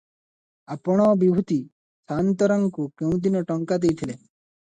"ଆପଣ ବିଭୂତି ସାଆନ୍ତରାକୁ କେଉଁଦିନ ଟଙ୍କା ଦେଇଥିଲେ?"